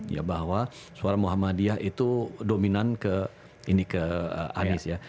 ya bahwa suara muhammadiyah itu dominan ke anies ya